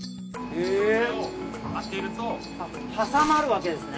これを当てると挟まるわけですね